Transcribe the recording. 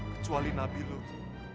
kecuali nabi lut